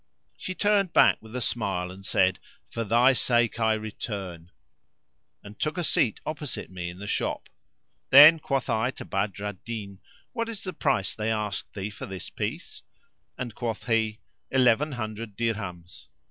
She turned back with a smile and said, "For thy sake I return," and took a seat opposite me in the shop. Then quoth I to Badr al Din, "What is the price they asked thee for this piece?"; and quoth he, "Eleven hundred dirhams."